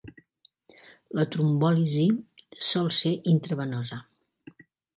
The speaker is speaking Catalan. La trombòlisi sol ser intravenosa.